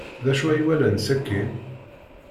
D acu ay walan sakkin?